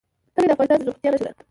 کلي د افغانستان د زرغونتیا نښه ده.